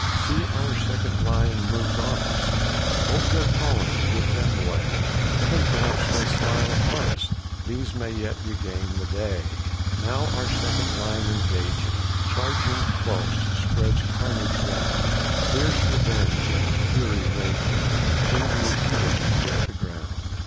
See, our second line moves on us, Ope your columns, give them way, Heaven perhaps may smile upon us, These may yet regain the day. Now our second line engaging, Charging close, spreads carnage round, Fierce revenge and fury raging, Angry heroes bite the ground.